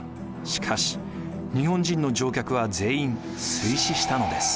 しかし日本人の乗客は全員水死したのです。